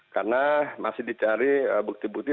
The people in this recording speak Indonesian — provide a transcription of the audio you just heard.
karena masih dicari bukti bukti